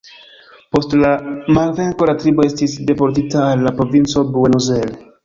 Post la malvenko la tribo estis deportita al la provinco Buenos Aires.